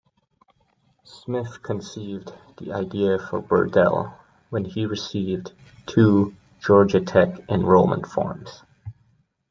Smith conceived the idea for Burdell when he received two Georgia Tech enrollment forms.